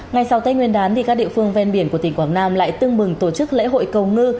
ngay sau tây nguyên đán các địa phương ven biển của tỉnh quảng nam lại tương bừng tổ chức lễ hội cầu ngư